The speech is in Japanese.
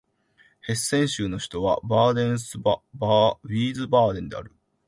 ヘッセン州の州都はヴィースバーデンである